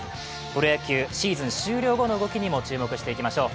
プロ野球、シーズン終了後の動きにも注目していきましょう。